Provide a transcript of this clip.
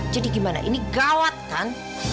jadi gimana ini gawat kan